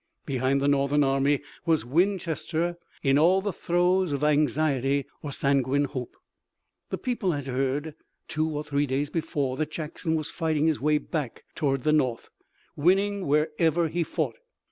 Behind the Northern army was Winchester in all the throes of anxiety or sanguine hope. The people had heard two or three days before that Jackson was fighting his way back toward the north, winning wherever he fought.